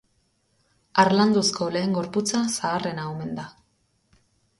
Harlanduzko lehen gorputza zaharrena omen da.